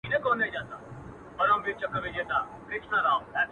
• چي ماڼۍ د فرعونانو وه ولاړه -